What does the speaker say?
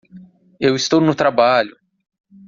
Eu estou no trabalho!